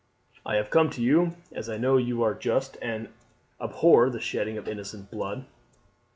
I have come to you, as I know you are just, and abhor the shedding of innocent blood.